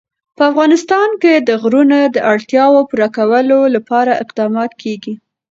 په افغانستان کې د غرونه د اړتیاوو پوره کولو لپاره اقدامات کېږي.